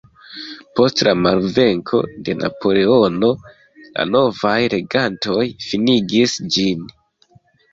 Post la malvenko de Napoleono, la novaj regantoj finigis ĝin.